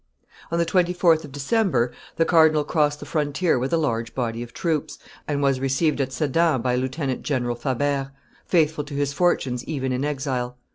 On the 24th of December, the cardinal crossed the frontier with a large body of troops, and was received at Sedan by Lieutenant General Fabert, faithful to his fortunes even in exile.